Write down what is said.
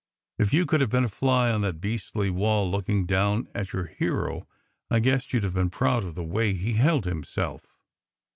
If you could have been a fly on that beastly wall, looking down at your hero, I guess you d have been proud of the way he held himself.